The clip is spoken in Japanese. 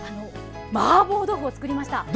マーボー豆腐を作りました。